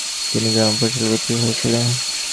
তিনি গ্রাম্য পাঠশালায় ভর্তি হয়েছিলেন।